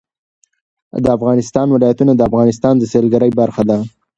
د افغانستان ولايتونه د افغانستان د سیلګرۍ برخه ده.